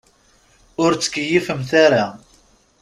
Ur ttkeyyifemt ara.